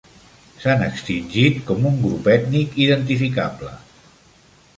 S'han extingit com un grup ètnic identificable.